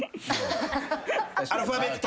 アルファベット的に。